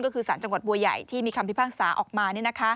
ก็คือสารจังหวัดบัวใหญ่ที่มีคำพิพากษาออกมา